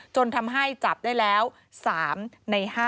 จนทำให้จับได้แล้ว๓ใน๕